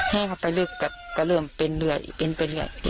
ให้เขาไปลึกก็เริ่มเป็นเรื่อยเป็นไปเรื่อย